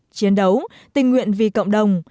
chiến đấu tình nguyện vì cộng đồng